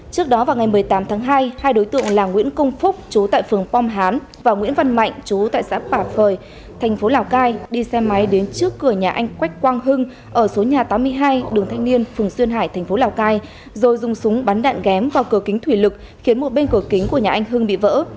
trước đó vào ngày một mươi tám tháng hai hai đối tượng là nguyễn công phúc chú tại phường pom hán và nguyễn văn mạnh chú tại xã bà phời thành phố lào cai đi xe máy đến trước cửa nhà anh quách quang hưng ở số nhà tám mươi hai đường thanh niên phường xuyên hải thành phố lào cai rồi dùng súng bắn đạn ghém vào cửa kính thủy lực khiến một bên cửa kính của nhà anh hưng bị vỡ